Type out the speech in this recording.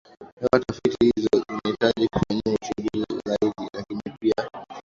hewa Tafiti hizo zinahitaji kufanyiwa uchunguzi zaidi lakini pia